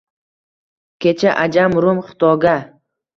Kecha Ajam, Rum, Xitoga